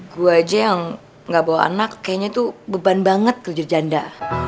gue aja yang gak bawa anak kayaknya tuh beban banget kerja janda